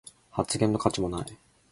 発言の価値もない